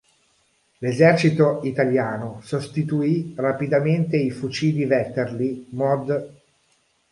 L'esercito italiano sostituì rapidamente i fucili Vetterli Mod.